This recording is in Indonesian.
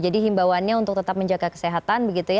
jadi himbauannya untuk tetap menjaga kesehatan